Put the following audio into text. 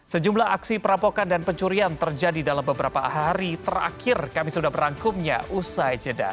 sejumlah aksi perampokan dan pencurian terjadi dalam beberapa hari terakhir kami sudah merangkumnya usai jeda